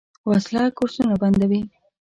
وسله کورسونه بندوي